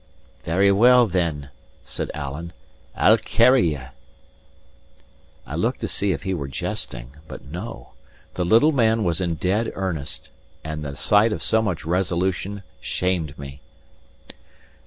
"Very well, then," said Alan. "I'll carry ye." I looked to see if he were jesting; but no, the little man was in dead earnest; and the sight of so much resolution shamed me.